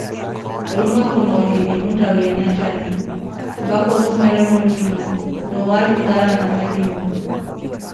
onlumwenku na ohilim ontta wiiyana jala, mpaka otumerera olima na owaajurati anamalima.